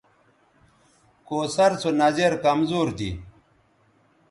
کوثر سو نظِر کمزور تھی